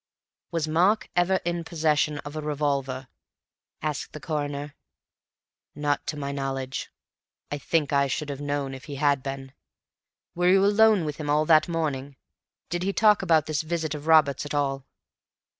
"Was Mark ever in possession of a revolver?" asked the Coroner. "Not to my knowledge. I think I should have known if he had been." "You were alone with him all that morning. Did he talk about this visit of Robert's at all?"